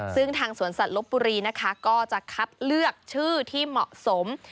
ซึ่งทางสวนสัตว์ลบบุรีนะคะก็จะคัดเลือกชื่อที่เหมาะสม